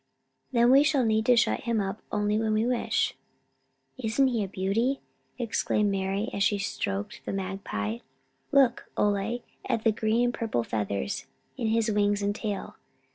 "Then we shall need to shut him up only when we wish." "Isn't he a beauty," exclaimed Mari, as she stroked the magpie. "Look, Ole, at the green and purple feathers in his wings and tail.